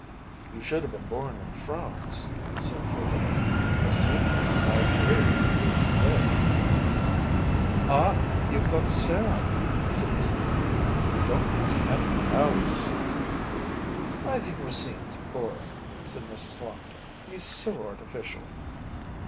"You should have been born in France," said Faubourg, "Racine's women are created for you to play." "Ah! you've got Sarah," said Mrs. Duncan, "you don't want anyone else." "I think Racine's boring," said Mrs. Lockton, "he's so artificial."